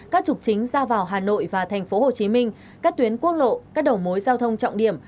chính ra vào hà nội và thành phố hồ chí minh các tuyến quốc lộ các đầu mối giao thông trọng điểm